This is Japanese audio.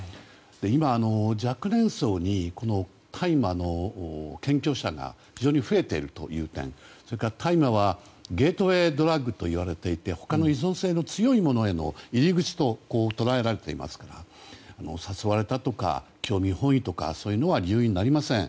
今、若年層にこの大麻の検挙者が非常に増えているという点それから、大麻はゲートウェイドラッグと言われていて他の依存性の高いものへの入り口と捉えられていますから誘われたとか興味本位とかそういうのは理由になりません。